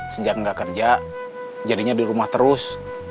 sejak nggak kerja jadinya di rumah terus